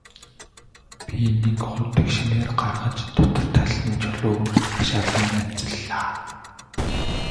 Бид нэг худаг шинээр гаргаж, дотор талд нь чулуу өрж хашаалан янзаллаа.